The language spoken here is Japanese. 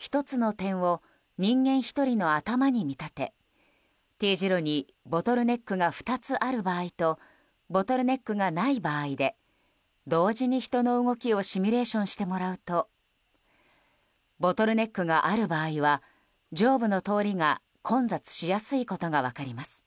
１つの点を人間１人の頭に見立て丁字路にボトルネックが２つある場合とボトルネックがない場合で同時に人の動きをシミュレーションしてもらうとボトルネックがある場合は上部の通りが混雑しやすいことが分かります。